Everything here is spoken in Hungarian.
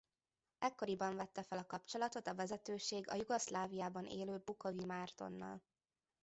Ekkoriban vette fel a kapcsolatot a vezetőség a Jugoszláviában élő Bukovi Mártonnal.